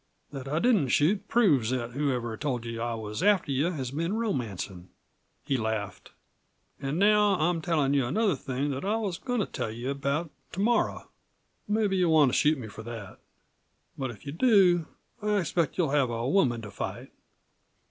That I didn't shoot proves that whoever told you I was after you has been romancin'." He laughed. "An' now I'm tellin' you another thing that I was goin' to tell you about to morrow. Mebbe you'll want to shoot me for that. But if you do I expect you'll have a woman to fight.